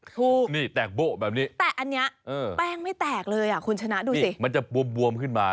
ถูกนี่แตกโบ๊ะแบบนี้แต่อันนี้แป้งไม่แตกเลยอ่ะคุณชนะดูสิมันจะบวมขึ้นมา